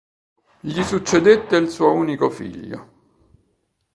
Gli succedette il suo unico figlio.